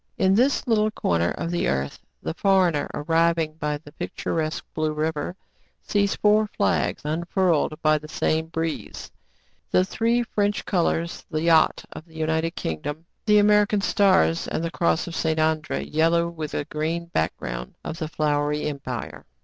In this little corner of the earth, the foreigner, arriving by the picturesque Blue River, sees four flags unfurled by the same breeze, — the three French colors, the "yacht" of the United King dom, the American stars, and the cross of St. André, yellow with a green background, of the Flowery Empire.